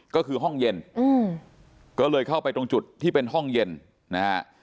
ก็คือห้องเย็นก็เลยเข้าไปตรงจุดที่เป็นห้องเย็นนะฮะ